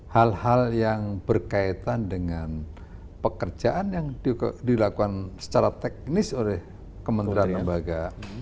hal hal yang berkaitan dengan pekerjaan yang dilakukan secara teknis oleh kementerian lembaga